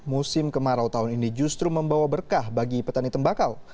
musim kemarau tahun ini justru membawa berkah bagi petani tembakau